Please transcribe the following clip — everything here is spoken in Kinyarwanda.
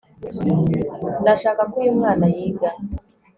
ndashaka ko uyu mwana yiga